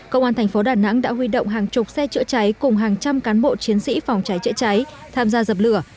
công an thành phố đà nẵng đã huy động hàng chục xe chữa cháy cùng hàng trăm cán bộ chiến sĩ phòng cháy chữa cháy tham gia dập lửa